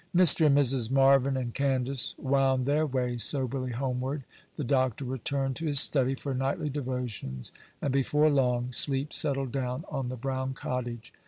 Mr. and Mrs. Marvyn and Candace wound their way soberly homeward; the Doctor returned to his study for nightly devotions; and before long, sleep settled down on the brown cottage.